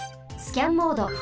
スキャンモード。